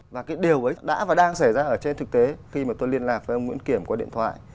và cái điều ấy đã và đang xảy ra ở trên thực tế khi mà tôi liên lạc với ông nguyễn kiểm qua điện thoại